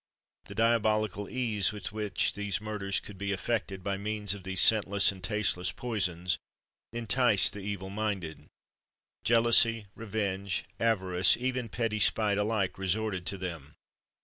The diabolical ease with which these murders could be effected, by means of these scentless and tasteless poisons, enticed the evil minded. Jealousy, revenge, avarice, even petty spite, alike resorted to them.